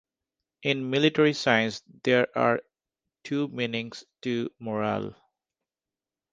In military science, there are two meanings to morale.